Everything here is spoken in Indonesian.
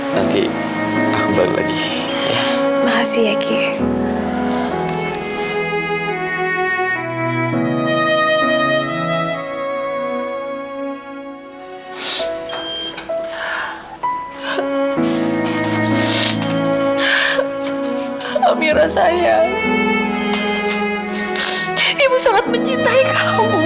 sampai jumpa di video selanjutnya